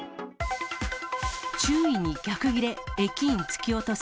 注意に逆ギレ、駅員突き落とす。